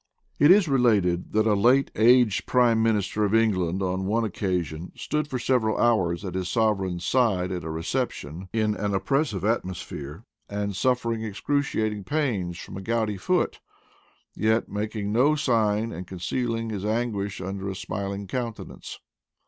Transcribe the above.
It is related that a late aged prime minister of England on one occasion stood for several hours at his sovereign's side at a reception, in an op pressive atmosphere, and suffering excruciating pains from a gouty foot ; yet making no sign and concealing his anguish under a smiling counte nance.